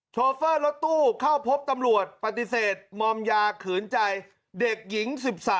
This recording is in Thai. โฟเฟอร์รถตู้เข้าพบตำรวจปฏิเสธมอมยาขืนใจเด็กหญิง๑๓